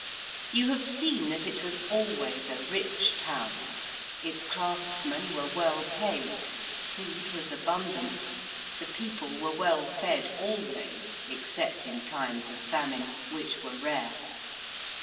You have seen that it was always a rich town: its craftsmen were well paid: food was abundant: the people were well fed always, except in times of famine, which were rare.